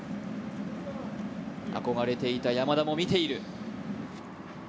憧れていた山田も見ている。